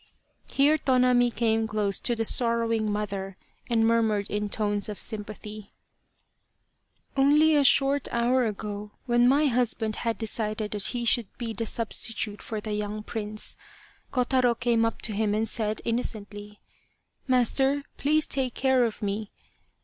214 Loyal, Even Unto Death Here Tonami came close to the sorrowing mother and murmured in tones of sympathy :" Only a short hour ago, when my husband had decided that he should be the substitute for the young prince, Kotaro came up to him and said, innocently, ' Master, please take care of me